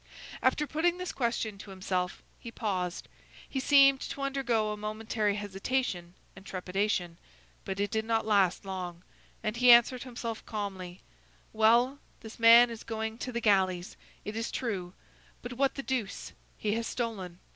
After putting this question to himself, he paused; he seemed to undergo a momentary hesitation and trepidation; but it did not last long, and he answered himself calmly:— "Well, this man is going to the galleys; it is true, but what the deuce! he has stolen!